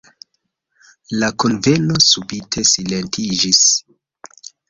La kunveno subite silentiĝis.